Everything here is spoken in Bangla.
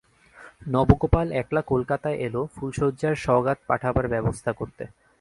নবগোপাল একলা কলকাতায় এল ফুলশয্যার সওগাত পাঠাবার ব্যবস্থা করতে।